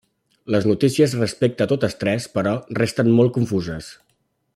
Les notícies respecte a totes tres, però, resten molt confuses.